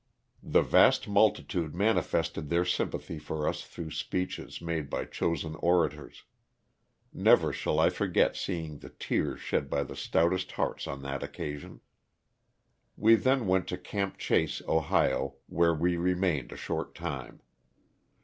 The vast multitude manifested their sympathy for us through speeches made by chosen orators. Never shall I forget seeing the tears shed by the stoutest hearts on that occasion. We then went to ''Camp Chase," Ohio, where we remained a short time.